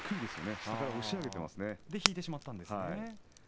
それで引いてしまったんですね。